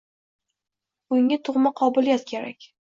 Bunga tug‘ma qobiliyat kerak!